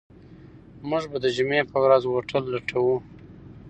موږ به د جمعې په ورځ هوټل لټوو.